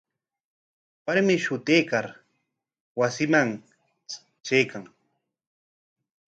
Warmi shutuykar wasinman traykan.